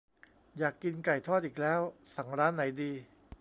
อยากกินไก่ทอดอีกแล้ว สั่งร้านไหนดี